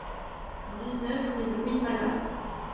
dix-neuf rue Louis Mallard